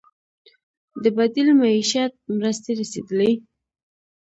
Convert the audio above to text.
د بدیل معیشت مرستې رسیدلي؟